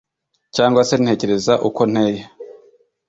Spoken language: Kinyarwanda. cyangwa se ntekereza uko nteye’